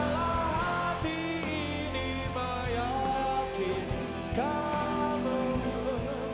lelah hati ini meyakinkanmu